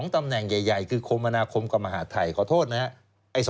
๒ตำแหน่งใหญ่ก็คือโคมนาคมกับมหาธัยขอโทษนะ